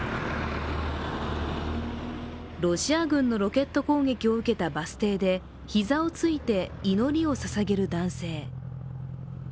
ロシア軍のロケット攻撃を受けたバス停で膝をついて祈りをささげる男性。